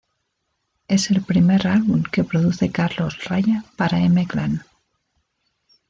Es el primer álbum que produce Carlos Raya para M Clan.